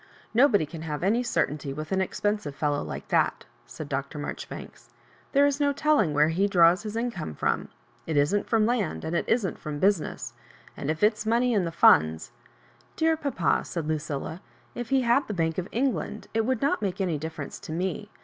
Nobody can have any certainty with an expensive fellow like that," said Dr. Mfirjoribanks. "There is no telling where he draws his income from ; it isn't from land, and it isn't from business ; and if it*s money in the Funds — f " "Dear papa,'* said Ludlla, "if he had the Bank of England, it would not make any differ ence to me.